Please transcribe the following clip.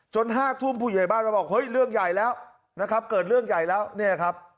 ๕ทุ่มผู้ใหญ่บ้านมาบอกเฮ้ยเรื่องใหญ่แล้วนะครับเกิดเรื่องใหญ่แล้วเนี่ยครับ